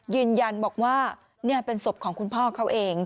ยืนยันบอกว่านี่เป็นศพของคุณพ่อเขาเอง